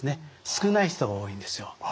少ない人が多いんですよ。